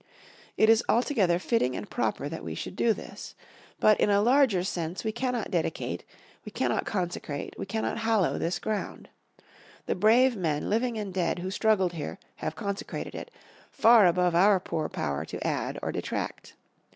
It is altogether fitting and proper that we should do this. But, in a larger sense we cannot dedicate we cannot consecrate we cannot hollow this ground. The brave men, living and dead, who struggled here, have consecrated it, far above our poor power to add or detract.